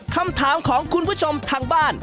คำถามของคุณผู้ชมทางบ้าน